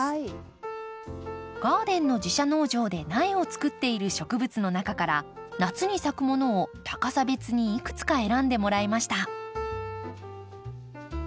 ガーデンの自社農場で苗をつくっている植物の中から夏に咲くものを高さ別にいくつか選んでもらいました。